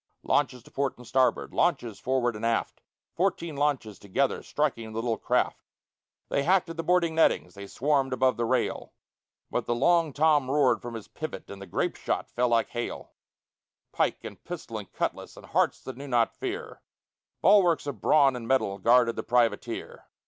Launches to port and starboard, launches forward and aft, Fourteen launches together striking the little craft. They hacked at the boarding nettings, they swarmed above the rail; But the Long Tom roared from his pivot and the grape shot fell like hail; Pike and pistol and cutlass, and hearts that knew not fear, Bulwarks of brawn and mettle, guarded the privateer.